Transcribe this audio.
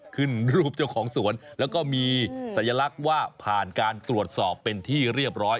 ขึ้นรูปเจ้าของสวนแล้วก็มีสัญลักษณ์ว่าผ่านการตรวจสอบเป็นที่เรียบร้อย